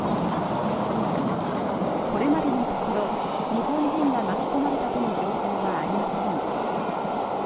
これまでのところ日本人が巻き込まれたとの情報はありません。